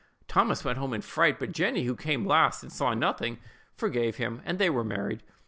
Thomas went home in a fright; but Jenny, who came last, and saw nothing, forgave him, and they were married.